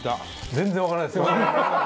全然わからないです。